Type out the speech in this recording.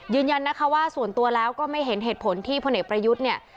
ยืนยันนะคะว่าส่วนตัวแล้วก็ไม่เห็นเหตุผลที่พลเอกประยุทธ์เนี่ย